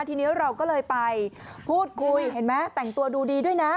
ทีนี้เราก็เลยไปพูดคุยเห็นไหมแต่งตัวดูดีด้วยนะ